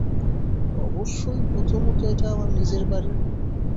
অবশ্যই, প্রথমত এটা আমার নিজের বাড়ি।